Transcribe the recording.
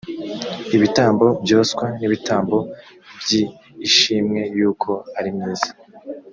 ibitambo byoswa n ibitambo byi ishimwe yuko arimwiza